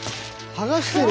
はがしてる！